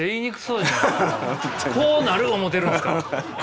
こうなる思てるんですか？